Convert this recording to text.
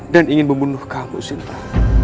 dan ingin membunuh kamu sinti